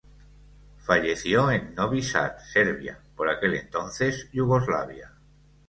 Falleció en Novi Sad, Serbia, por aquel entonces Yugoslavia.